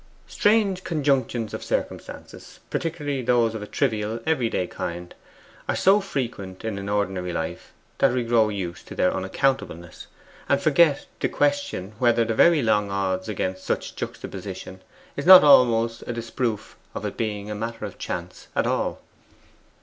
Strange conjunctions of circumstances, particularly those of a trivial everyday kind, are so frequent in an ordinary life, that we grow used to their unaccountableness, and forget the question whether the very long odds against such juxtaposition is not almost a disproof of it being a matter of chance at all.